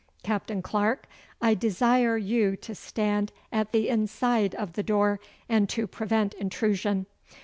Captain Clarke, I desire you to stand at the inside of the door and to prevent intrusion.